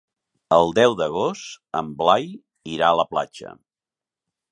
El deu d'agost en Blai irà a la platja.